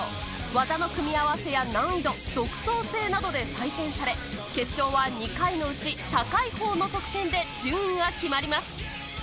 技の組み合わせや、難易度、独創性などで採点され、決勝は２回のうち、高いほうの得点で順位が決まります。